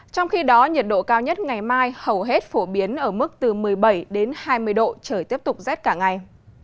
trong khi đó nhiệt độ cao nhất ngày mai hầu hết phổ biến ở mức từ một mươi bảy đến hai mươi độ trời tiếp tục rét cả ngày